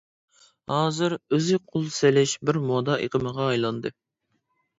ھازىر ئۆزى قول سېلىش بىر مودا ئېقىمىغا ئايلاندى.